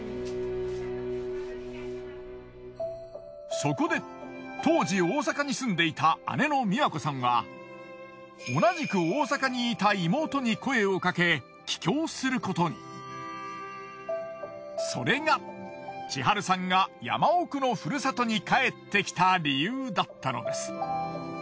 そこで当時大阪に住んでいた姉の美和子さんは同じく大阪にいたそれが千春さんが山奥のふるさとに帰ってきた理由だったのです。